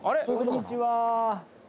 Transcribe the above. こんにちは。